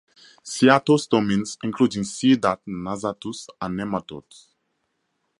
Cyathostomins, including "C. nassatus," are nematodes.